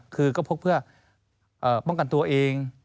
คือก็พกเพื่อป้องกันตัวเอง